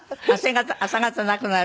朝方なくなる？